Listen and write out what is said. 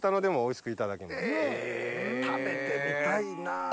食べてみたいな。